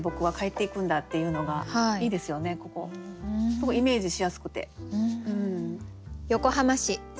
すごいイメージしやすくて。